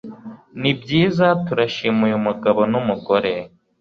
nibyiza! turashima uyu mugabo; n'umugore